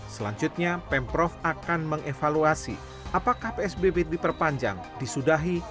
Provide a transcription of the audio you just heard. selanjutnya pemprov akan mengevaluasi apakah psbb diperpanjang disudahi